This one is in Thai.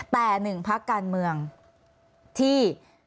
แต่หนึ่งพักการเมืองที่